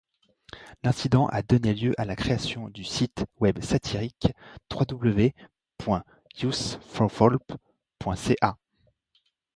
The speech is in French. L'incident a donné lieu à la création du site web satirique www.youthforvolpe.ca.